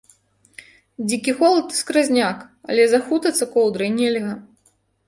Дзікі холад і скразняк, але захутацца коўдрай нельга.